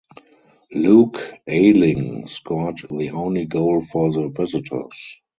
Luke Ayling scored the only goal for the visitors.